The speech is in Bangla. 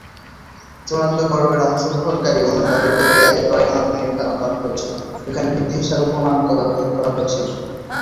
চূড়ান্ত পর্বে অংশগ্রহণকারী অন্যান্য দলের ক্ষেত্রে একটি ড্রয়ের মাধ্যমে নির্ধারণ করা হয়েছিল, যেখানে ভিত্তি হিসেবে গুণাঙ্ক ব্যবহার করা হয়েছিল।